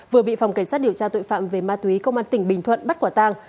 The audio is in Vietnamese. vừa bị phòng cảnh sát điều tra tội phạm về ma túy công an tỉnh bình thuận bắt quả tang